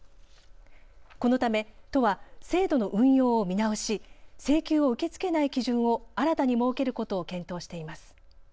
このため都は制度の運用を見直し請求を受け付けない基準を新たに設けることを検討しています。